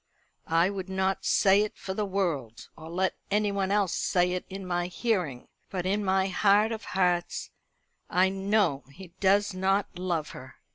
I would not say it for the world, or let anyone else say it in my hearing, but, in my heart of hearts, I know he does not love her."